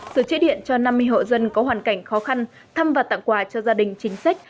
sửa chế điện cho năm mươi hộ dân có hoàn cảnh khó khăn thăm và tặng quà cho gia đình chính sách